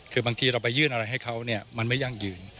คือบางทีเราไปยื่นอะไรให้เขาเนี่ยมันไม่ยั่งยืน